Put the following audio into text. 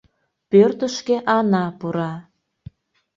Пӧртышкӧ Ана пура.